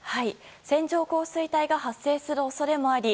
線状降水帯が発生する恐れもあり